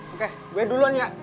oke gue duluan ya